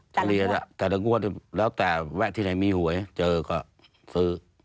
เฉลี่ยแล้วแต่ละงวดแล้วแต่แวะที่ไหนมีหวยเจอก็ซื้อ